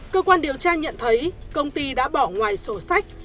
cơ quan điều tra nhận thấy công ty đã bỏ ngoài sổ sách